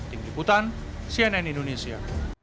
tim liputan cnn indonesia